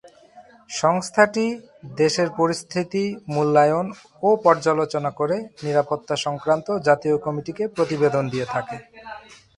সংস্থাটি দেশের পরিস্থিতি মূল্যায়ন ও পর্যালোচনা করে নিরাপত্তা সংক্রান্ত জাতীয় কমিটিকে প্রতিবেদন দিয়ে থাকে।